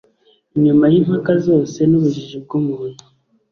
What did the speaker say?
inyuma y'impaka zose ni ubujiji bw'umuntu